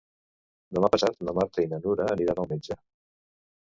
Demà passat na Marta i na Nura aniran al metge.